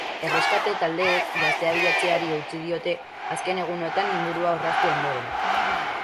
Erreskate taldeek gaztea bilatzeari utzi diote azken egunotan ingurua orraztu ondoren.